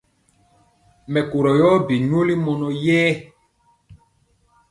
Mɛkorɔ yɔ bi nyoli mɔnɔ yɛ.